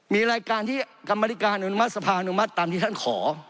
มีรายการที่กรรมนิการอนุมัติสภาอนุมัติตามที่ท่านขอ